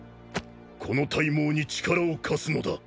この大望に力を貸すのだ。